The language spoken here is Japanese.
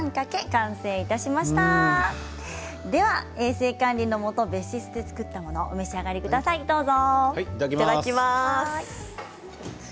衛生管理のもと別室で作ったものをお召し上がりください、どうぞ。